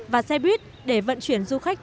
và xe buýt để vận chuyển du khách